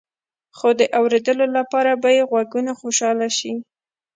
خو د اوریدلو لپاره به يې غوږونه خوشحاله شي.